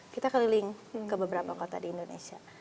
kita keliling ke beberapa kota di indonesia